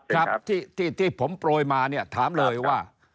ครับที่ผมโปรยมาเนี่ยถามเลยว่า